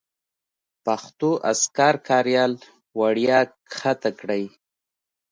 پښتو اذکار کاریال وړیا کښته کړئ.